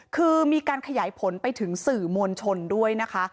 คือมีการขยายผลไปถึงสื่อมวลชนด้วยนะคะ